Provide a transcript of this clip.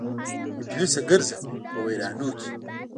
ابلیسه ګرځه په ویرانو کې